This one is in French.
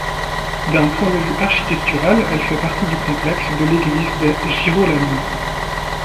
D'un point de vue architectural, elle fait partie du complexe de l'église des Girolamini.